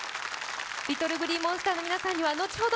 ＬｉｔｔｌｅＧｌｅｅＭｏｎｓｔｅｒの皆さんには後ほど